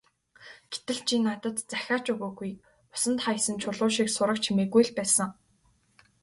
Гэтэл чи надад захиа ч өгөөгүй, усанд хаясан чулуу шиг сураг чимээгүй л байсан.